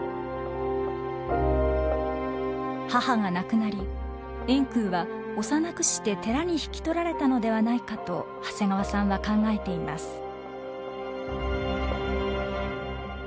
母が亡くなり円空は幼くして寺に引き取られたのではないかと長谷川さんは考えています。